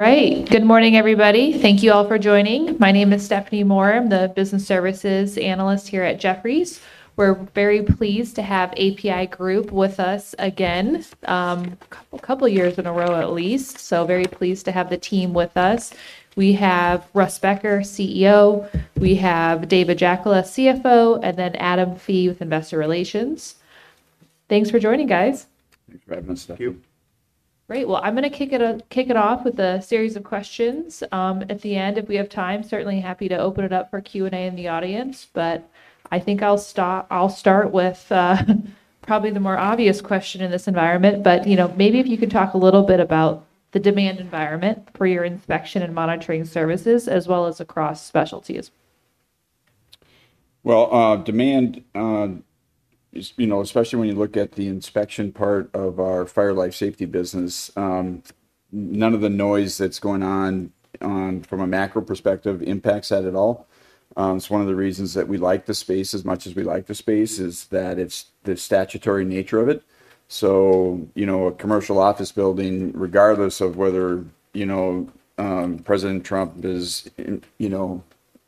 All right. Good morning, everybody. Thank you all for joining. My name is Stephanie Moore. I'm the Business Services Analyst here at Jefferies. We're very pleased to have APi Group with us again, a couple of years in a row at least. Very pleased to have the team with us. We have Russ Becker, CEO. We have David Jackola, CFO, and then Adam Fee with Investor Relations. Thanks for joining, guys. Thank you for having us. Thank you. Great. I'm going to kick it off with a series of questions. At the end, if we have time, certainly happy to open it up for Q&A in the audience. I think I'll start with probably the more obvious question in this environment. Maybe if you could talk a little bit about the demand environment for your inspection and monitoring services, as well as across specialties. Demand, especially when you look at the inspection part of our fire and life safety business, none of the noise that's going on from a macro perspective impacts that at all. One of the reasons that we like the space as much as we like the space is that it's the statutory nature of it. A commercial office building, regardless of whether President Trump is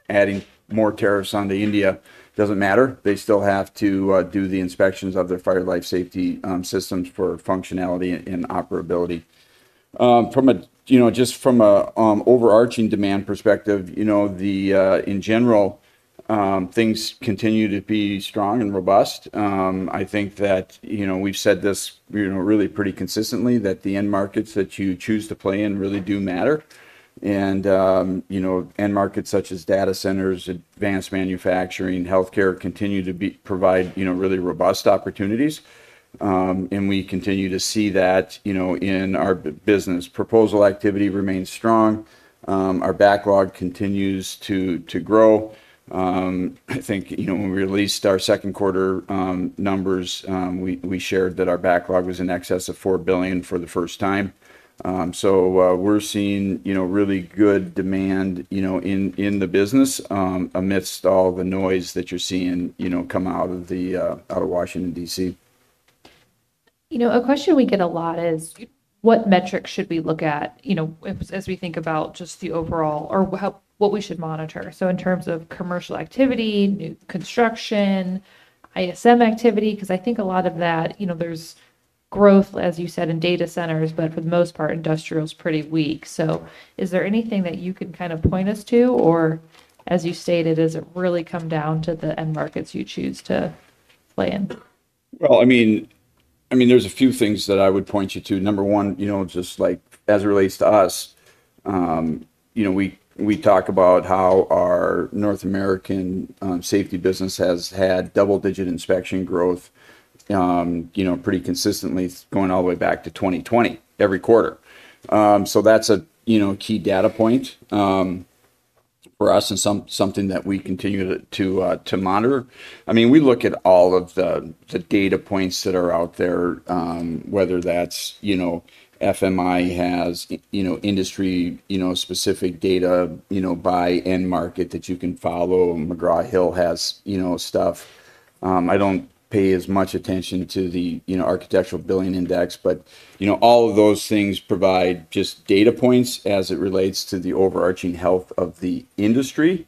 adding more tariffs onto India, doesn't matter. They still have to do the inspections of their fire and life safety systems for functionality and operability. From an overarching demand perspective, in general, things continue to be strong and robust. I think that we've said this really pretty consistently that the end markets that you choose to play in really do matter. End markets such as data centers, advanced manufacturing, healthcare continue to provide really robust opportunities, and we continue to see that in our business. Proposal activity remains strong. Our backlog continues to grow. I think when we released our second quarter numbers, we shared that our backlog was in excess of $4 billion for the first time. We're seeing really good demand in the business, amidst all the noise that you're seeing come out of Washington, DC. A question we get a lot is, what metrics should we look at as we think about just the overall or what we should monitor? In terms of commercial activity, new construction, ISM activity, I think a lot of that, there's growth, as you said, in data centers, but for the most part, industrial is pretty weak. Is there anything that you can kind of point us to, or as you stated, does it really come down to the end markets you choose to play in? There are a few things that I would point you to. Number one, just like as it relates to us, we talk about how our North America safety business has had double-digit inspection growth pretty consistently going all the way back to 2020, every quarter. That's a key data point for us and something that we continue to monitor. We look at all of the data points that are out there, whether that's FMI has industry-specific data by end market that you can follow. McGraw Hill has stuff. I don't pay as much attention to the architectural billing index, but all of those things provide data points as it relates to the overarching health of the industry.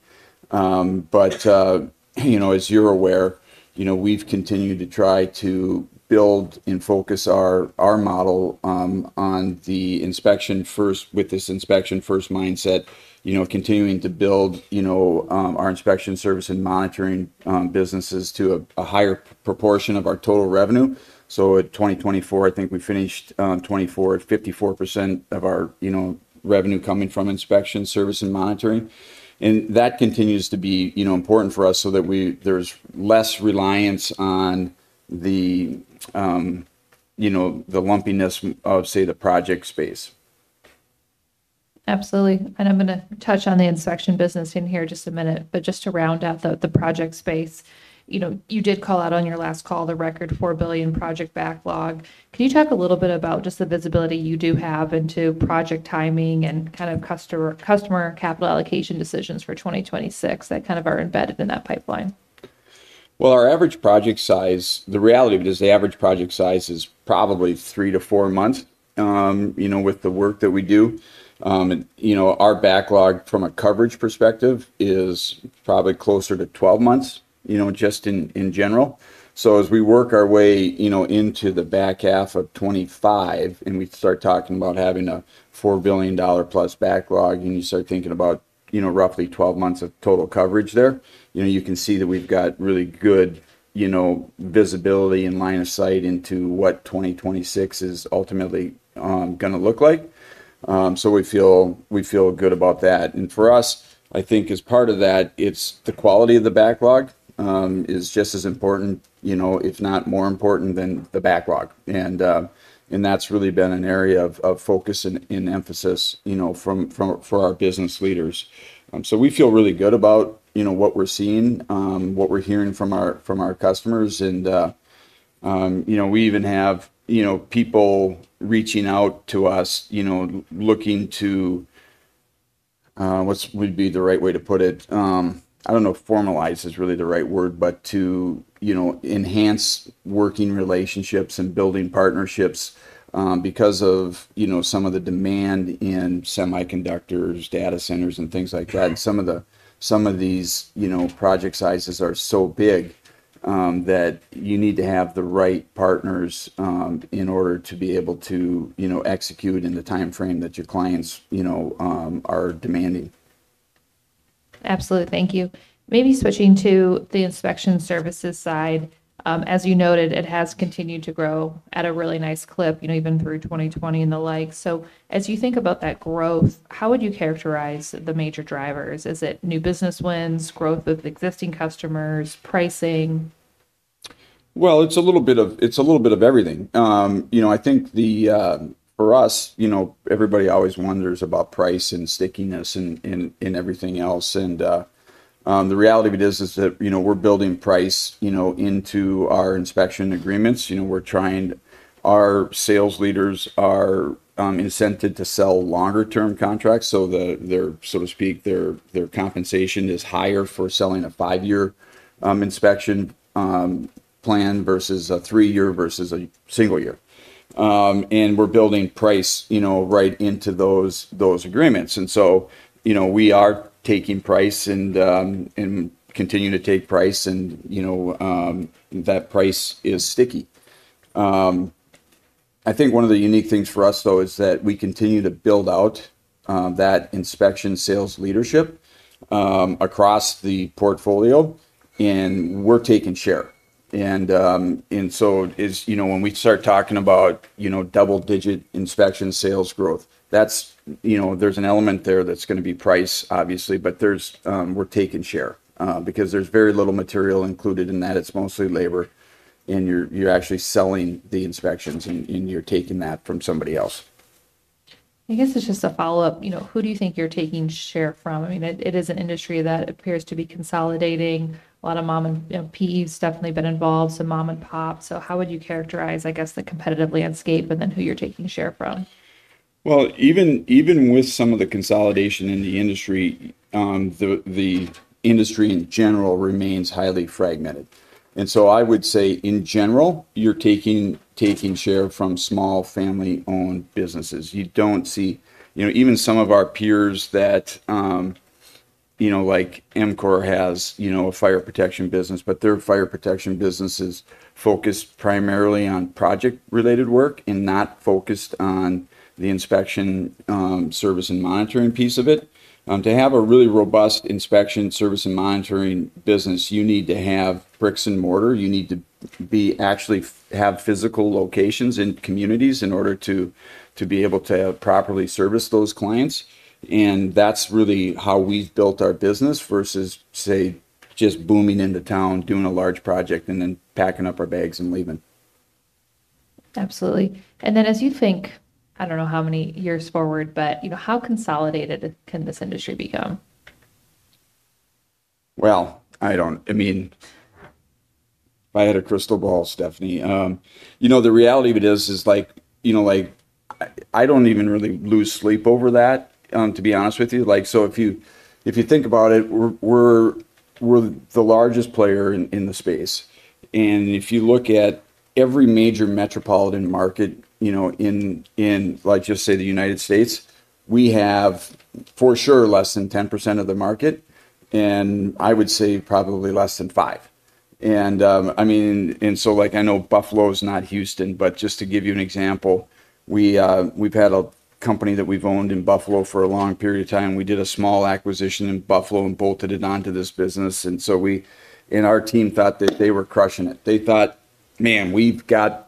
As you're aware, we've continued to try to build and focus our model on the inspection first, with this inspection first mindset, continuing to build our inspection, service, and monitoring businesses to a higher proportion of our total revenue. At 2024, I think we finished 2024, 54% of our revenue coming from inspection, service, and monitoring. That continues to be important for us so that there's less reliance on the lumpiness of, say, the project space. Absolutely. I'm going to touch on the inspection business in here in just a minute. Just to round out the project space, you did call out on your last call the record $4 billion project backlog. Can you talk a little bit about the visibility you do have into project timing and kind of customer capital allocation decisions for 2026 that are embedded in that pipeline? Our average project size is probably three to four months with the work that we do. Our backlog from a coverage perspective is probably closer to 12 months in general. As we work our way into the back half of 2025 and we start talking about having a $4 billion plus backlog and you start thinking about roughly 12 months of total coverage there, you can see that we've got really good visibility and line of sight into what 2026 is ultimately going to look like. We feel good about that. For us, I think as part of that, the quality of the backlog is just as important, if not more important, than the backlog. That's really been an area of focus and emphasis for our business leaders. We feel really good about what we're seeing, what we're hearing from our customers. We even have people reaching out to us looking to, what would be the right way to put it, I don't know if formalized is really the right word, but to enhance working relationships and building partnerships because of some of the demand in semiconductors, data centers, and things like that. Some of these project sizes are so big that you need to have the right partners in order to be able to execute in the timeframe that your clients are demanding. Absolutely. Thank you. Maybe switching to the inspection services side, as you noted, it has continued to grow at a really nice clip, even through 2020 and the like. As you think about that growth, how would you characterize the major drivers? Is it new business wins, growth of existing customers, pricing? It's a little bit of everything. I think for us, everybody always wonders about price and stickiness and everything else. The reality of it is that we're building price into our inspection agreements. We're trying, our sales leaders are incented to sell longer-term contracts, so their compensation is higher for selling a five-year inspection plan versus a three-year versus a single-year. We're building price right into those agreements. We are taking price and continuing to take price, and that price is sticky. I think one of the unique things for us, though, is that we continue to build out that inspection sales leadership across the portfolio, and we're taking share. When we start talking about double-digit inspection sales growth, there's an element there that's going to be price, obviously, but we're taking share because there's very little material included in that. It's mostly labor, and you're actually selling the inspections, and you're taking that from somebody else. I guess it's just a follow-up. You know, who do you think you're taking share from? I mean, it is an industry that appears to be consolidating. A lot of mom and pop, and you know, PEs definitely have been involved, some mom and pop. How would you characterize, I guess, the competitive landscape and then who you're taking share from? Even with some of the consolidation in the industry, the industry in general remains highly fragmented. I would say, in general, you're taking share from small family-owned businesses. You don't see, you know, even some of our peers that, you know, like EMCOR has, you know, a fire protection business, but their fire protection business is focused primarily on project-related work and not focused on the inspection, service, and monitoring piece of it. To have a really robust inspection, service, and monitoring business, you need to have bricks and mortar. You need to actually have physical locations in communities in order to be able to properly service those clients. That's really how we've built our business versus, say, just booming into town, doing a large project, and then packing up our bags and leaving. Absolutely. As you think, I don't know how many years forward, how consolidated can this industry become? I mean, if I had a crystal ball, Stephanie, the reality of it is, like, I don't even really lose sleep over that, to be honest with you. If you think about it, we're the largest player in the space. If you look at every major metropolitan market, in, like, just say the United States, we have for sure less than 10% of the market, and I would say probably less than 5%. I know Buffalo is not Houston, but just to give you an example, we've had a company that we've owned in Buffalo for a long period of time. We did a small acquisition in Buffalo and bolted it onto this business. Our team thought that they were crushing it. They thought, man, we've got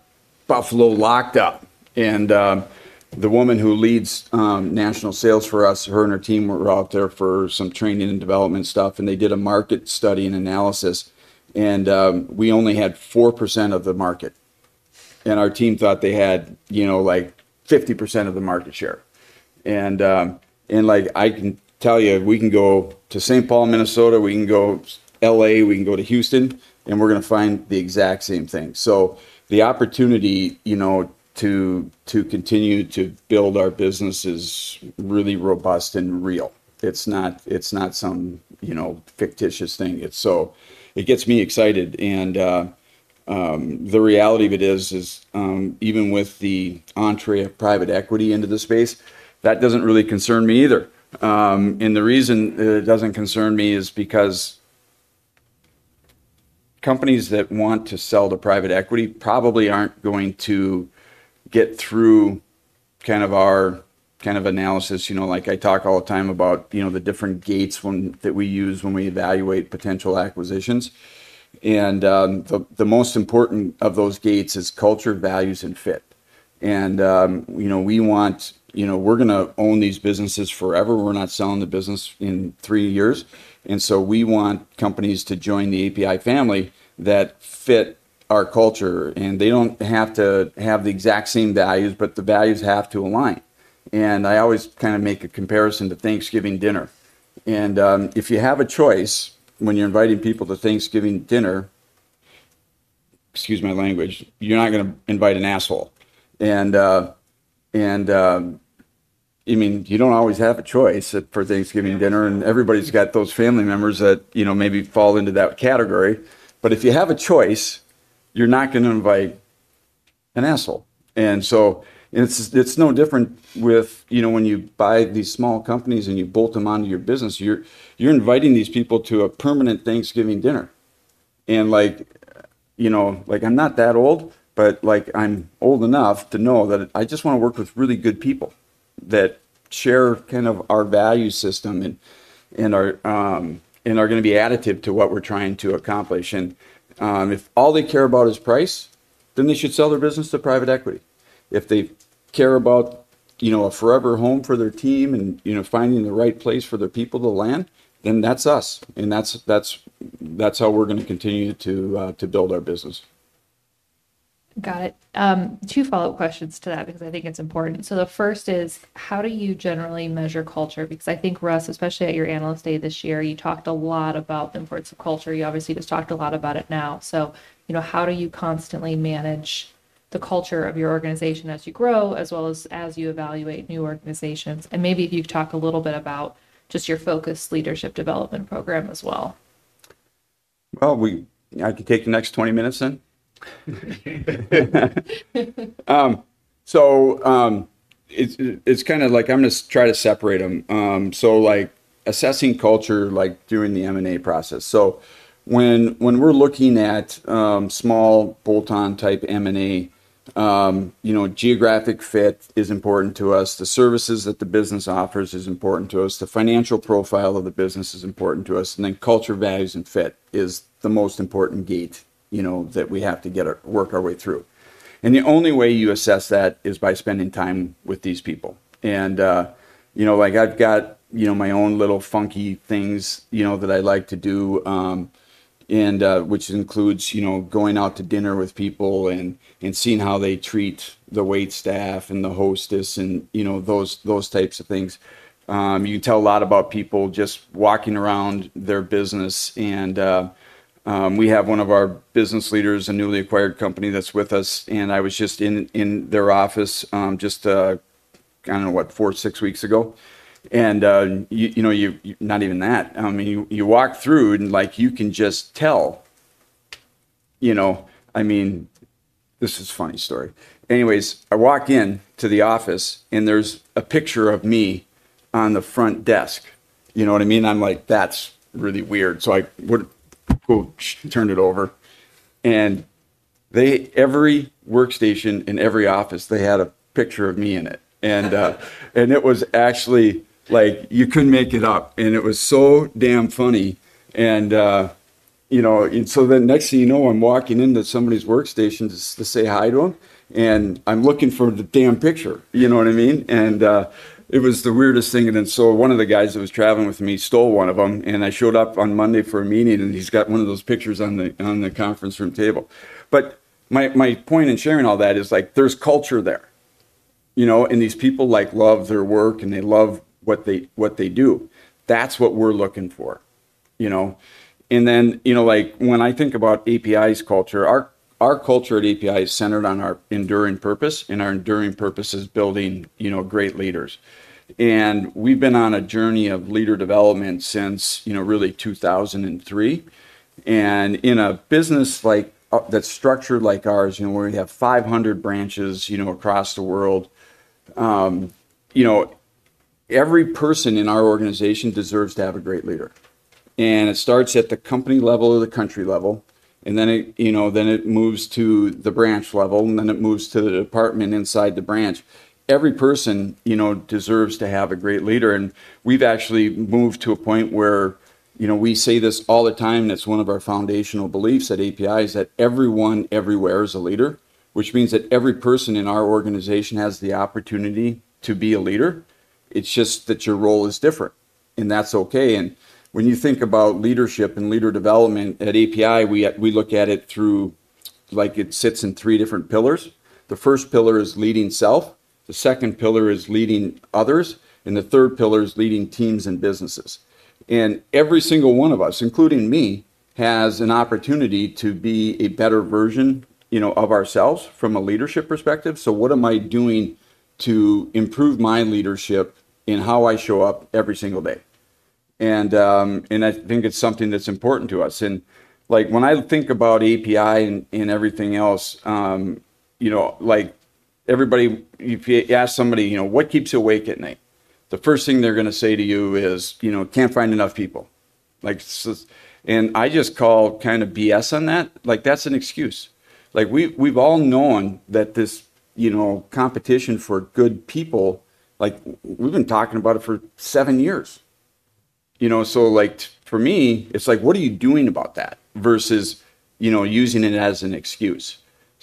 Buffalo locked up. The woman who leads national sales for us, her and her team were out there for some training and development stuff. They did a market study and analysis, and we only had 4% of the market. Our team thought they had, you know, like 50% of the market share. I can tell you, we can go to St. Paul, Minnesota, we can go to L.A., we can go to Houston, and we're going to find the exact same thing. The opportunity to continue to build our business is really robust and real. It's not some fictitious thing. It gets me excited. The reality of it is, even with the entree of private equity into the space, that doesn't really concern me either. The reason it doesn't concern me is because companies that want to sell to private equity probably aren't going to get through our kind of analysis. I talk all the time about the different gates that we use when we evaluate potential acquisitions. The most important of those gates is culture, values, and fit. We want, you know, we're going to own these businesses forever. We're not selling the business in three years. We want companies to join the APi family that fit our culture. They don't have to have the exact same values, but the values have to align. I always kind of make a comparison to Thanksgiving dinner. If you have a choice when you're inviting people to Thanksgiving dinner, excuse my language, you're not going to invite an asshole. You don't always have a choice for Thanksgiving dinner. Everybody's got those family members that, you know, maybe fall into that category. If you have a choice, you're not going to invite an asshole. It's no different when you buy these small companies and you bolt them onto your business. You're inviting these people to a permanent Thanksgiving dinner. I'm not that old, but I'm old enough to know that I just want to work with really good people that share kind of our value system and are going to be additive to what we're trying to accomplish. If all they care about is price, then they should sell their business to private equity. If they care about a forever home for their team and finding the right place for their people to land, then that's us. That's how we're going to continue to build our business. Got it. Two follow-up questions to that because I think it's important. The first is, how do you generally measure culture? I think, Russ, especially at your Analyst Day this year, you talked a lot about the importance of culture. You obviously just talked a lot about it now. How do you constantly manage the culture of your organization as you grow, as well as as you evaluate new organizations? Maybe if you could talk a little bit about just your focus leadership development program as well. I could take the next 20 minutes then. It's kind of like I'm going to try to separate them. Like assessing culture during the M&A process. When we're looking at small bolt-on type M&A, geographic fit is important to us. The services that the business offers are important to us. The financial profile of the business is important to us. Culture, values, and fit is the most important gate that we have to work our way through. The only way you assess that is by spending time with these people. I've got my own little funky things that I like to do, which includes going out to dinner with people and seeing how they treat the wait staff and the hostess and those types of things. You tell a lot about people just walking around their business. We have one of our business leaders, a newly acquired company that's with us. I was just in their office, just, I don't know what, four or six weeks ago. Not even that. You walk through and you can just tell. This is a funny story. Anyways, I walk into the office and there's a picture of me on the front desk. You know what I mean? I'm like, that's really weird. I go turn it over. Every workstation in every office, they had a picture of me in it. It was actually like you couldn't make it up. It was so damn funny. The next thing you know, I'm walking into somebody's workstation just to say hi to them. I'm looking for the damn picture. You know what I mean? It was the weirdest thing. One of the guys that was traveling with me stole one of them. I showed up on Monday for a meeting and he's got one of those pictures on the conference room table. My point in sharing all that is there's culture there. These people love their work and they love what they do. That's what we're looking for. When I think about APi's culture, our culture at APi is centered on our enduring purpose. Our enduring purpose is building great leaders. We've been on a journey of leader development since, really, 2003. In a business that's structured like ours, where we have 500 branches across the world, every person in our organization deserves to have a great leader. It starts at the company level or the country level, then it moves to the branch level, and then it moves to the department inside the branch. Every person deserves to have a great leader. We've actually moved to a point where we say this all the time. That's one of our foundational beliefs at APi, that everyone everywhere is a leader, which means that every person in our organization has the opportunity to be a leader. It's just that your role is different, and that's OK. When you think about leadership and leader development at APi, we look at it through like it sits in three different pillars. The first pillar is leading self. The second pillar is leading others. The third pillar is leading teams and businesses. Every single one of us, including me, has an opportunity to be a better version of ourselves from a leadership perspective. What am I doing to improve my leadership in how I show up every single day? I think it's something that's important to us. When I think about APi and everything else, like everybody, you ask somebody what keeps you awake at night, the first thing they're going to say to you is, can't find enough people. I just call kind of BS on that. That's an excuse. We've all known that this competition for good people, we've been talking about it for seven years. For me, it's like, what are you doing about that versus using it as an excuse?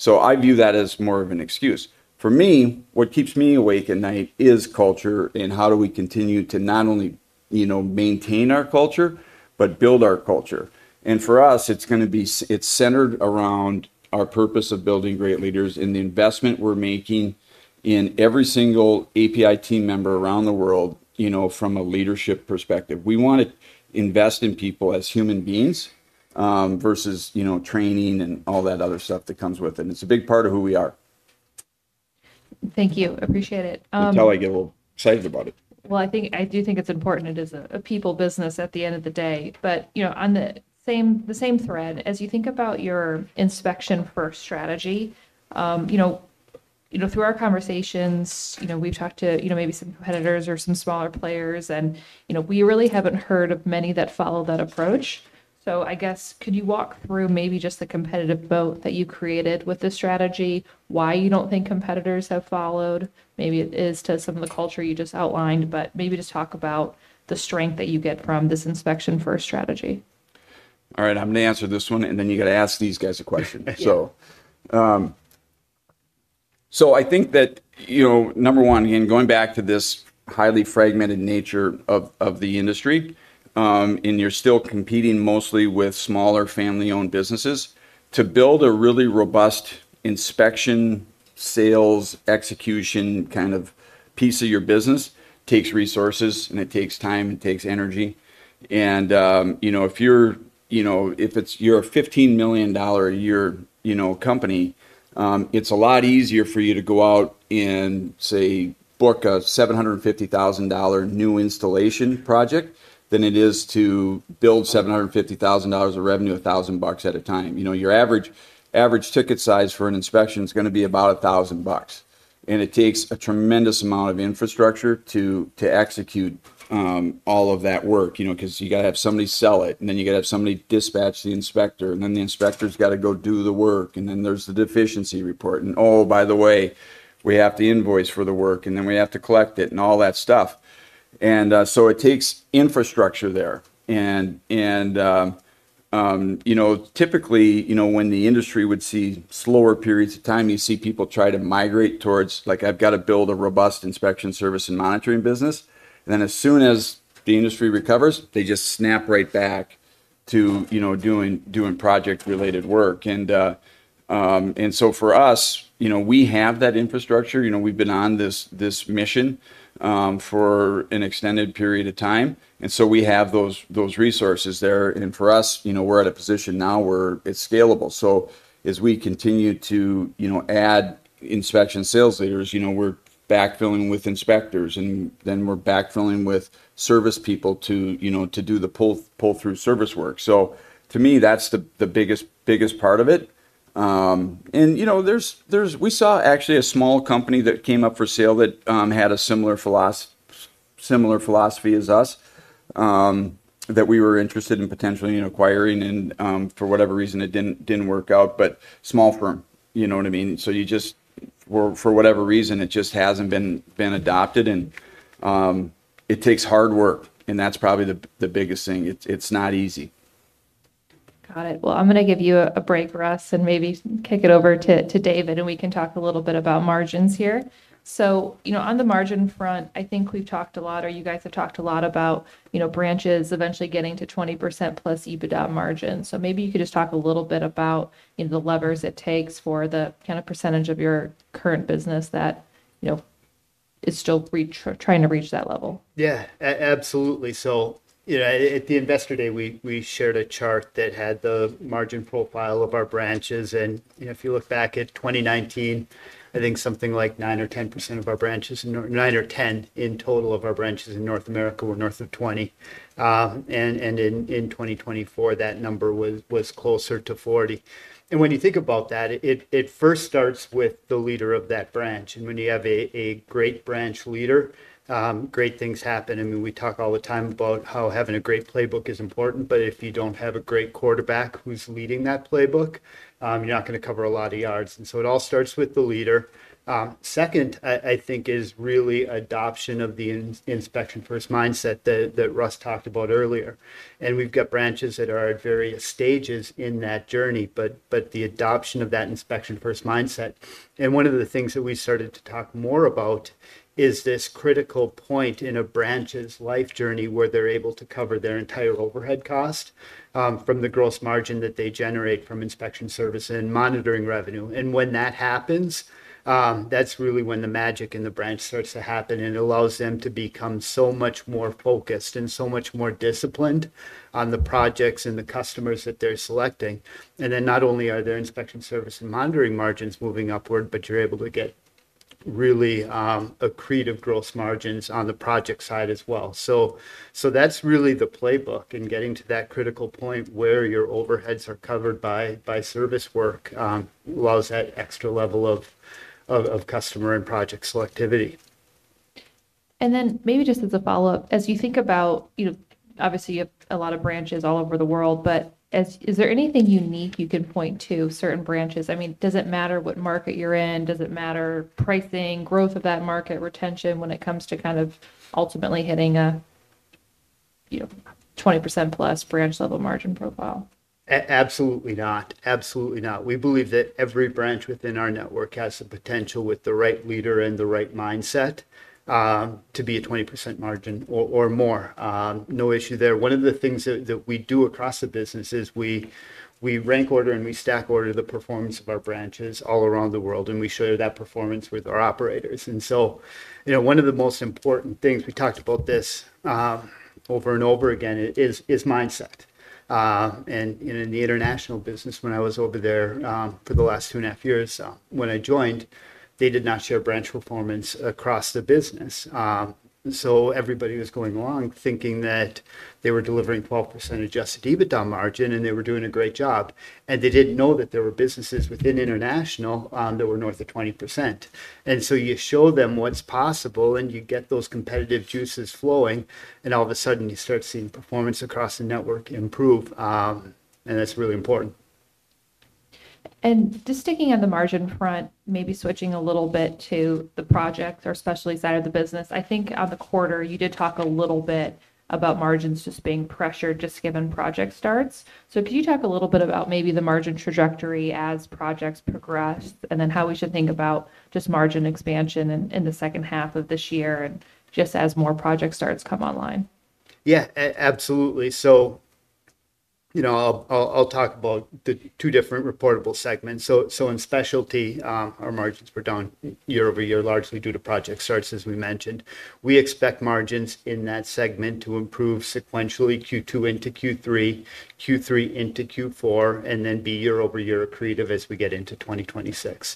I view that as more of an excuse. For me, what keeps me awake at night is culture and how do we continue to not only maintain our culture, but build our culture. For us, it's centered around our purpose of building great leaders and the investment we're making in every single APi team member around the world from a leadership perspective. We want to invest in people as human beings, versus training and all that other stuff that comes with it. It's a big part of who we are. Thank you. Appreciate it. That's how I get a little excited about it. I do think it's important. It is a people business at the end of the day. On the same thread, as you think about your inspection for strategy, through our conversations, we've talked to maybe some competitors or some smaller players. We really haven't heard of many that follow that approach. I guess, could you walk through maybe just the competitive moat that you created with the strategy, why you don't think competitors have followed? Maybe it is to some of the culture you just outlined, but maybe just talk about the strength that you get from this inspection for a strategy. All right. I'm going to answer this one. You got to ask these guys a question. I think that, you know, number one, again, going back to this highly fragmented nature of the industry, and you're still competing mostly with smaller family-owned businesses, to build a really robust inspection sales execution kind of piece of your business takes resources, it takes time, and it takes energy. You know, if you're a $15 million a year company, it's a lot easier for you to go out and, say, book a $750,000 new installation project than it is to build $750,000 of revenue $1,000 at a time. Your average ticket size for an inspection is going to be about $1,000. It takes a tremendous amount of infrastructure to execute all of that work, because you got to have somebody sell it. You got to have somebody dispatch the inspector. The inspector's got to go do the work. There's the deficiency report. Oh, by the way, we have to invoice for the work. We have to collect it and all that stuff. It takes infrastructure there. Typically, when the industry would see slower periods of time, you see people try to migrate towards, like, I've got to build a robust inspection service and monitoring business. As soon as the industry recovers, they just snap right back to doing project-related work. For us, we have that infrastructure. We've been on this mission for an extended period of time. We have those resources there. For us, we're at a position now where it's scalable. As we continue to add inspection sales leaders, we're backfilling with inspectors. We're backfilling with service people to do the pull-through service work. To me, that's the biggest, biggest part of it. We saw actually a small company that came up for sale that had a similar philosophy as us, that we were interested in potentially acquiring. For whatever reason, it didn't work out. Small firm, you know what I mean? For whatever reason, it just hasn't been adopted. It takes hard work. That's probably the biggest thing. It's not easy. Got it. I'm going to give you a break, Russ, and maybe kick it over to David. We can talk a little bit about margins here. On the margin front, I think we've talked a lot, or you guys have talked a lot about branches eventually getting to 20%+ EBITDA margin. Maybe you could just talk a little bit about the levers it takes for the kind of percentage of your current business that is still trying to reach that level. Yeah, absolutely. At the investor day, we shared a chart that had the margin profile of our branches. If you look back at 2019, I think something like 9% or 10% of our branches in North America were north of 20%. In 2024, that number was closer to 40%. When you think about that, it first starts with the leader of that branch. When you have a great branch leader, great things happen. We talk all the time about how having a great playbook is important, but if you don't have a great quarterback who's leading that playbook, you're not going to cover a lot of yards. It all starts with the leader. Second, I think, is really adoption of the inspection-first mindset that Russ talked about earlier. We've got branches that are at various stages in that journey, but the adoption of that inspection-first mindset. One of the things that we started to talk more about is this critical point in a branch's life journey where they're able to cover their entire overhead cost from the gross margin that they generate from inspection, service, and monitoring revenue. When that happens, that's really when the magic in the branch starts to happen. It allows them to become so much more focused and so much more disciplined on the projects and the customers that they're selecting. Not only are their inspection, service, and monitoring margins moving upward, but you're able to get really accretive gross margins on the project side as well. That's really the playbook in getting to that critical point where your overheads are covered by service work, which allows that extra level of customer and project selectivity. Maybe just as a follow-up, as you think about, obviously, you have a lot of branches all over the world. Is there anything unique you can point to certain branches? Does it matter what market you're in? Does it matter, pricing, growth of that market, retention, when it comes to kind of ultimately hitting a 20%+ branch-level margin profile? Absolutely not. Absolutely not. We believe that every branch within our network has the potential, with the right leader and the right mindset, to be a 20% margin or more. No issue there. One of the things that we do across the business is we rank order and we stack order the performance of our branches all around the world. We share that performance with our operators. One of the most important things we talked about, over and over again, is mindset. In the international business, when I was over there for the last two and a half years, when I joined, they did not share branch performance across the business. Everybody was going along thinking that they were delivering 12% adjusted EBITDA margin and they were doing a great job. They didn't know that there were businesses within international that were north of 20%. You show them what's possible and you get those competitive juices flowing. All of a sudden, you start seeing performance across the network improve, and that's really important. Sticking on the margin front, maybe switching a little bit to the projects or specialty side of the business. I think on the quarter, you did talk a little bit about margins just being pressured just given project starts. Could you talk a little bit about maybe the margin trajectory as projects progressed and then how we should think about just margin expansion in the second half of this year and just as more project starts come online? Absolutely. I'll talk about the two different reportable segments. In specialty, our margins were down year-over-year largely due to project starts, as we mentioned. We expect margins in that segment to improve sequentially Q2 into Q3, Q3 into Q4, and then be year-over-year accretive as we get into 2026.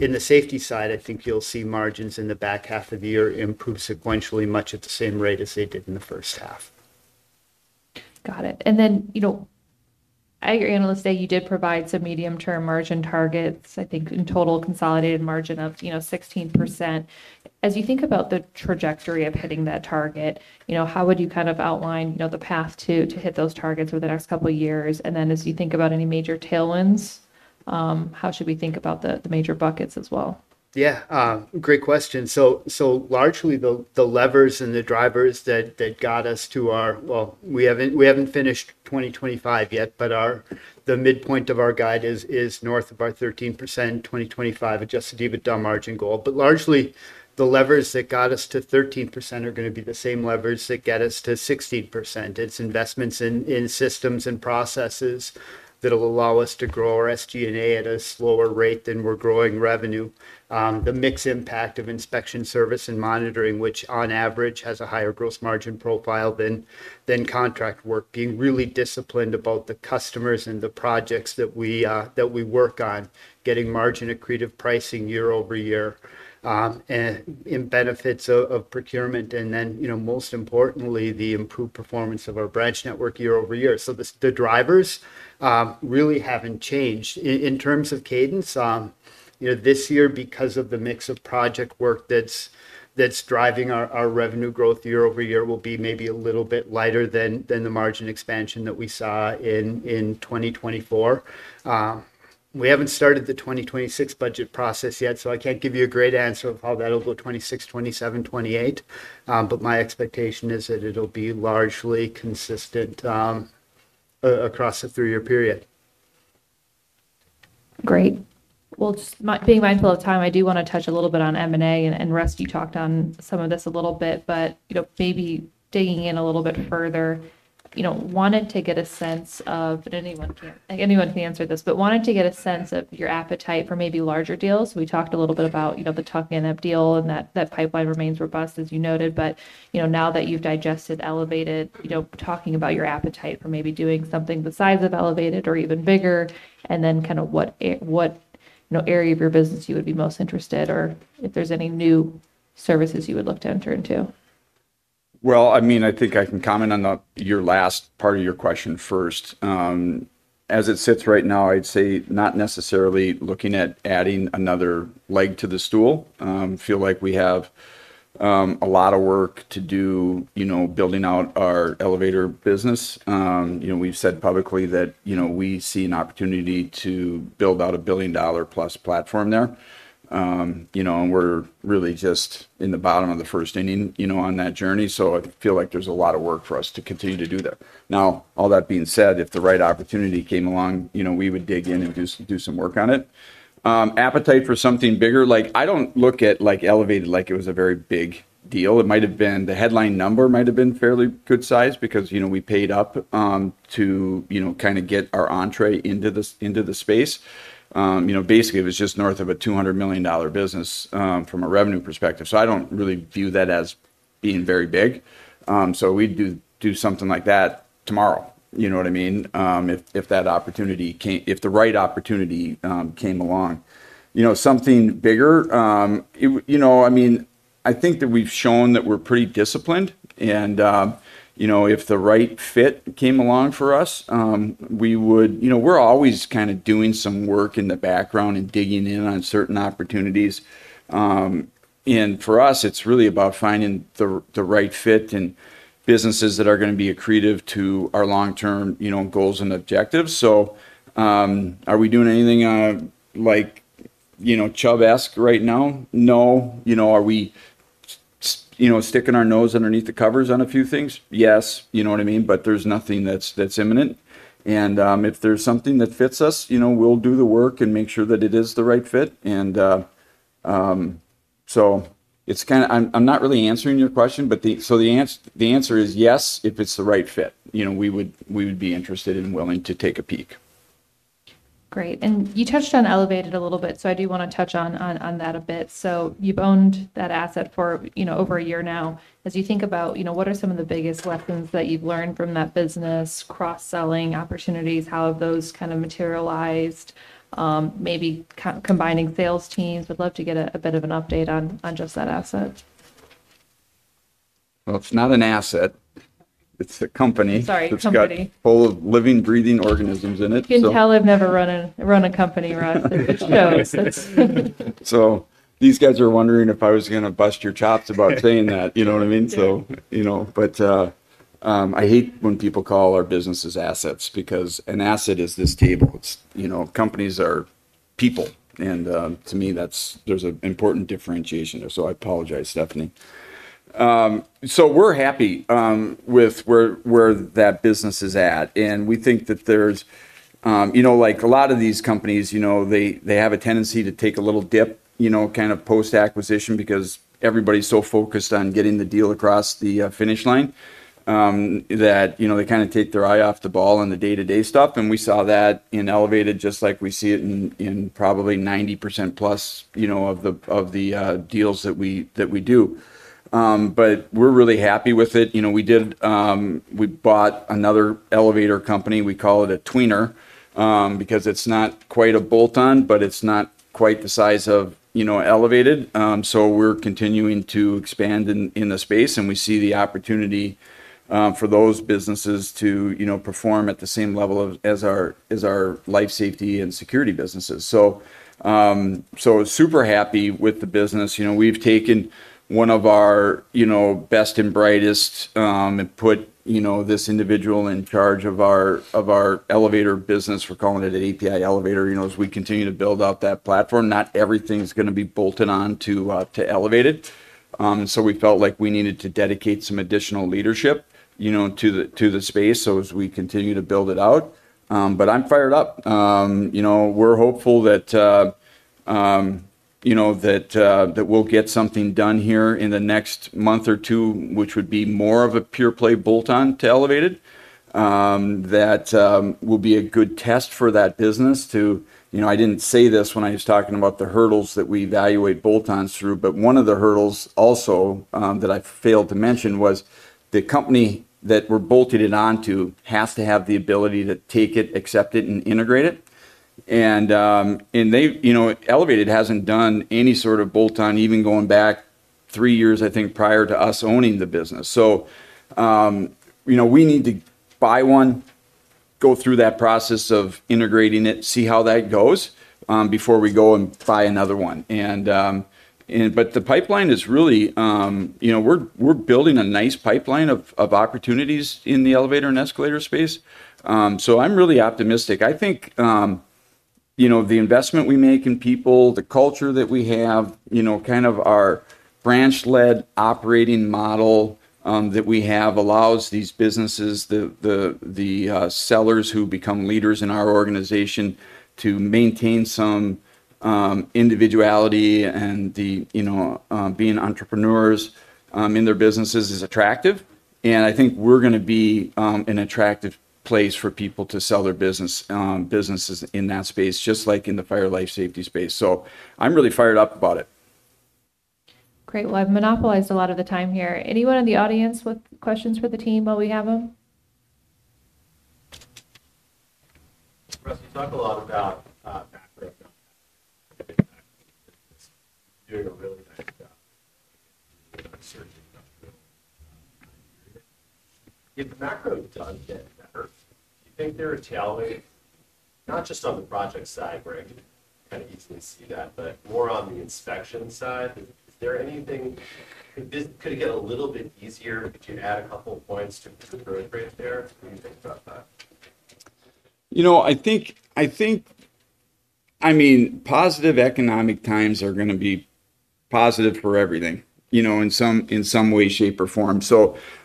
In the safety side, I think you'll see margins in the back half of the year improve sequentially much at the same rate as they did in the first half. Got it. At your Analyst Day, you did provide some medium-term margin targets, I think, in total consolidated margin of 16%. As you think about the trajectory of hitting that target, how would you kind of outline the path to hit those targets over the next couple of years? As you think about any major tailwinds, how should we think about the major buckets as well? Great question. Largely, the levers and the drivers that got us to our, well, we haven't finished 2025 yet, but the midpoint of our guide is north of our 13% 2025 adjusted EBITDA margin goal. Largely, the levers that got us to 13% are going to be the same levers that get us to 16%. It's investments in systems and processes that will allow us to grow our SG&A at a slower rate than we're growing revenue, the mix impact of inspection, service, and monitoring, which on average has a higher gross margin profile than contract work, being really disciplined about the customers and the projects that we work on, getting margin accretive pricing year-over-year, and benefits of procurement. Most importantly, the improved performance of our branch network year-over-year. The drivers really haven't changed. In terms of cadence, this year, because of the mix of project work that's driving our revenue growth year-over-year, will be maybe a little bit lighter than the margin expansion that we saw in 2024. We haven't started the 2026 budget process yet, so I can't give you a great answer of how that'll go 2026, 2027, 2028, but my expectation is that it'll be largely consistent across a three-year period. Great. Just being mindful of time, I do want to touch a little bit on M&A. Russ, you talked on some of this a little bit, but maybe digging in a little bit further, wanting to get a sense of, and anyone can answer this, but wanting to get a sense of your appetite for maybe larger deals. We talked a little bit about the Talking NF deal and that pipeline remains robust, as you noted. Now that you've digested Elevated, talking about your appetite for maybe doing something the size of Elevated or even bigger, and then kind of what area of your business you would be most interested in or if there's any new services you would look to enter into. I think I can comment on your last part of your question first. As it sits right now, I'd say not necessarily looking at adding another leg to the stool. I feel like we have a lot of work to do building out our Elevator business. We've said publicly that we see an opportunity to build out a billion-dollar-plus platform there, and we're really just in the bottom of the first inning on that journey. I feel like there's a lot of work for us to continue to do that. All that being said, if the right opportunity came along, we would dig in and do some work on it. Appetite for something bigger, like I don't look at Elevated like it was a very big deal. The headline number might have been fairly good size because we paid up to kind of get our entree into the space. Basically, it was just north of a $200 million business from a revenue perspective, so I don't really view that as being very big. We'd do something like that tomorrow, you know what I mean? If that opportunity came, if the right opportunity came along, something bigger, I think that we've shown that we're pretty disciplined. If the right fit came along for us, we're always kind of doing some work in the background and digging in on certain opportunities. For us, it's really about finding the right fit and businesses that are going to be accretive to our long-term goals and objectives. Are we doing anything, like, you know, Chubb-esque right now? No. Are we sticking our nose underneath the covers on a few things? Yes, you know what I mean? There's nothing that's imminent. If there's something that fits us, we'll do the work and make sure that it is the right fit. I'm not really answering your question, but the answer is yes, if it's the right fit. We would be interested and willing to take a peek. Great. You touched on Elevated a little bit. I do want to touch on that a bit. You've owned that asset for, you know, over a year now. As you think about, you know, what are some of the biggest lessons that you've learned from that business, cross-selling opportunities? How have those kind of materialized? Maybe combining sales teams. Would love to get a bit of an update on just that asset. It's not an asset. It's a company. Sorry, company. It's a company. It's a whole living, breathing organism in it. You can tell they've never run a company, Russ. These guys are wondering if I was going to bust your chops about saying that. You know what I mean? I hate when people call our businesses assets because an asset is this table. Companies are people. To me, there's an important differentiation there. I apologize, Stephanie. We're happy with where that business is at. We think that there's, like a lot of these companies, they have a tendency to take a little dip post-acquisition because everybody's so focused on getting the deal across the finish line that they kind of take their eye off the ball on the day-to-day stuff. We saw that in Elevated just like we see it in probably 90%+ of the deals that we do. We're really happy with it. We bought another elevator company. We call it a tweener because it's not quite a bolt-on, but it's not quite the size of Elevated. We're continuing to expand in the space. We see the opportunity for those businesses to perform at the same level as our life safety and security businesses. Super happy with the business. We've taken one of our best and brightest and put this individual in charge of our elevator business. We're calling it an APi Elevator. As we continue to build out that platform, not everything's going to be bolted on to Elevated. We felt like we needed to dedicate some additional leadership to the space as we continue to build it out. I'm fired up. We're hopeful that we'll get something done here in the next month or two, which would be more of a pure play bolt-on to Elevated. That will be a good test for that business. I didn't say this when I was talking about the hurdles that we evaluate bolt-ons through, but one of the hurdles also that I failed to mention was the company that we're bolting it onto has to have the ability to take it, accept it, and integrate it. Elevated hasn't done any sort of bolt-on even going back three years, I think, prior to us owning the business. We need to buy one, go through that process of integrating it, see how that goes, before we go and buy another one. The pipeline is really, you know, we're building a nice pipeline of opportunities in the elevator and escalator space. I'm really optimistic. I think, you know, the investment we make in people, the culture that we have, you know, kind of our branch-led operating model that we have allows these businesses, the sellers who become leaders in our organization to maintain some individuality and the, you know, being entrepreneurs in their businesses is attractive. I think we're going to be an attractive place for people to sell their businesses in that space, just like in the fire and life safety space. I'm really fired up about it. Great. I've monopolized a lot of the time here. Anyone in the audience with questions for the team while we have them? Talk a lot about. It's not going to be done yet. I think there are tailwinds, not just on the project side, Brad. I can easily see that, more on the inspection side. Is there anything? Could it get a little bit easier if you had a couple of points to the earthquake there? What do you think? I think positive economic times are going to be positive for everything in some way, shape, or form.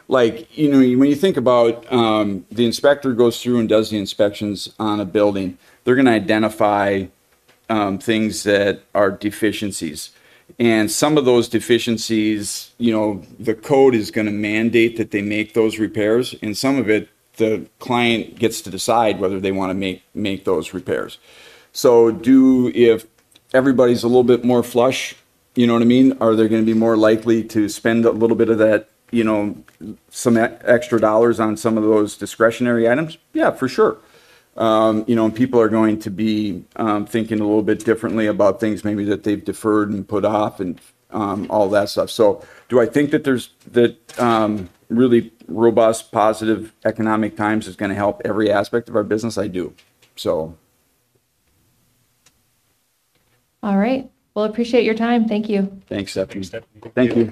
When you think about the inspector goes through and does the inspections on a building, they're going to identify things that are deficiencies. Some of those deficiencies, the code is going to mandate that they make those repairs, and some of it, the client gets to decide whether they want to make those repairs. If everybody's a little bit more flush, you know what I mean, are they going to be more likely to spend a little bit of that, some extra dollars on some of those discretionary items? Yeah, for sure. People are going to be thinking a little bit differently about things maybe that they've deferred and put off and all that stuff. I think that really robust positive economic times is going to help every aspect of our business I do. All right. I appreciate your time. Thank you. Thanks, Stephanie. Thank you.